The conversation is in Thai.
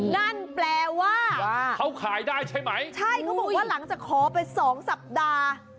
นั่นแปลว่าเขาขายได้ใช่ไหมใช่เขาบอกว่าหลังจากขอไปสองสัปดาห์